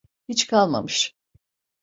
Hiç kalmamış.